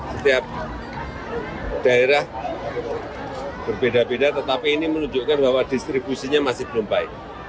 setiap daerah berbeda beda tetapi ini menunjukkan bahwa distribusinya masih belum baik